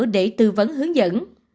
để tư vấn hướng dẫn